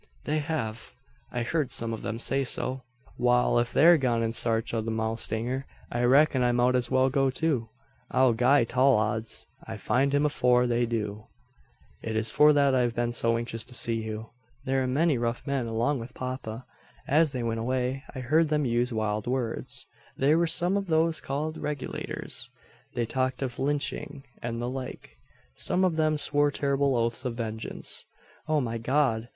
"They have. I heard some of them say so." "Wal, if they're gone in sarch o' the mowstanger I reck'n I mout as well go too. I'll gie tall odds I find him afore they do." "It is for that I've been so anxious to see you. There am many rough men along with papa. As they went away I heard them use wild words. There were some of those called `Regulators.' They talked of lynching and the like. Some of them swore terrible oaths of vengeance. O my God!